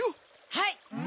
はい。